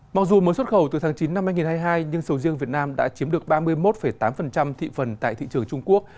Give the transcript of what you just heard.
mặc dù mới xuất khẩu từ tháng chín năm hai nghìn hai mươi hai nhưng sầu riêng việt nam đã chiếm được ba mươi một tám thị phần tại thị trường trung quốc